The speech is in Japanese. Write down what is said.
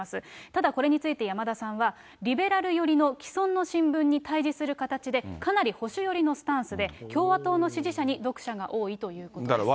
ただ、これについて山田さんは、リベラル寄りの、既存の新聞に対じする形でかなり保守寄りのスタンスで、共和党の支持者に読者が多いということです。